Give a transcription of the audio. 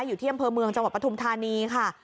อยู่ที่อำเภอเมืองจังหวัดปฐุมธานีค่ะ